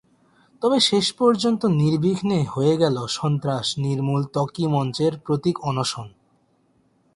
তবে শেষ পর্যন্ত নির্বিঘ্নে হয়ে গেল সন্ত্রাস নির্মূল ত্বকী মঞ্চের প্রতীক অনশন।